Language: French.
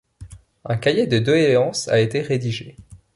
Un cahier de doléances a été rédigé.